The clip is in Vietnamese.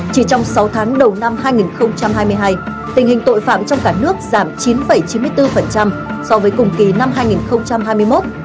chỉ trong sáu tháng đầu năm hai nghìn hai mươi hai tình hình tội phạm trong cả nước giảm chín chín mươi bốn so với cùng kỳ năm hai nghìn hai mươi một